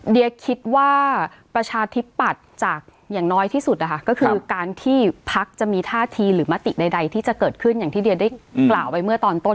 เดียคิดว่าประชาธิปัตย์จากอย่างน้อยที่สุดนะคะก็คือการที่พักจะมีท่าทีหรือมติใดที่จะเกิดขึ้นอย่างที่เดียได้กล่าวไปเมื่อตอนต้น